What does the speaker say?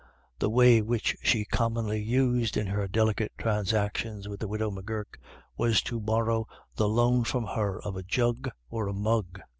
The way which she commonly used in her delicate transactions with the widow M'Gurk was to borrow the loan from her of a jug or a mug.